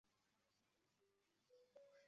大王庙始建于清光绪十七年。